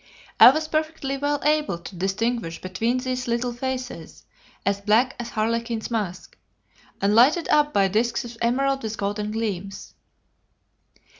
I was perfectly well able to distinguish between these little faces, as black as Harlequin's mask, and lighted up by disks of emerald with golden gleams.